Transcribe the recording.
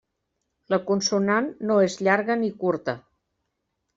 La consonant no és llarga ni curta.